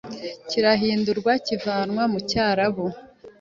kirahindurwa kivanwa mu cyarabu